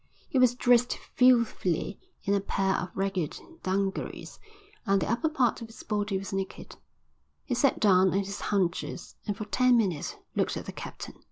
He was dressed filthily in a pair of ragged dungarees, and the upper part of his body was naked. He sat down on his haunches and for ten minutes looked at the captain.